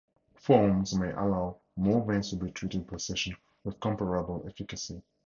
Foams may allow more veins to be treated per session with comparable efficacy.